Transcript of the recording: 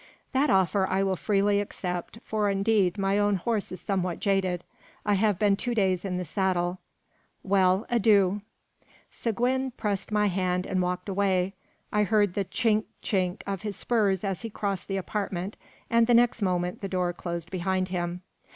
"That offer I will freely accept, for indeed my own horse is somewhat jaded. I have been two days in the saddle. Well, adieu!" Seguin pressed my hand and walked away. I heard the "chinck, chinck" of his spurs as he crossed the apartment, and the next moment the door closed behind him.